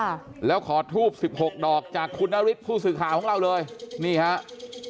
ค่ะแล้วขอทูบสิบหกดอกจากคุณนฤทธิผู้สื่อข่าวของเราเลยนี่ครับ